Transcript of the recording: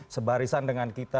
sebarisan dengan kita